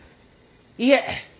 いえ！